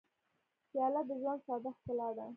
پیاله د ژوند ساده ښکلا ده.